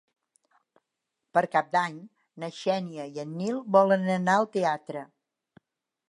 Per Cap d'Any na Xènia i en Nil volen anar al teatre.